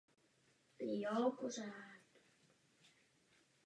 V současnosti na ně reagují.